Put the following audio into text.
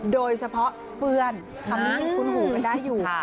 โดยเฉพาะเปื้อนคำนี้ยังคุ้นหูกันได้อยู่